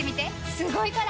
すごいから！